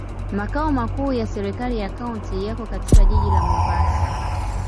Makao makuu ya serikali ya kaunti yako katika jiji la Mombasa.